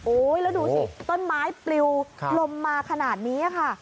แล้วดูสิต้นไม้ปลิวลมมาขนาดนี้ค่ะ